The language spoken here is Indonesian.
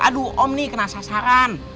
aduh om nih kena sasaran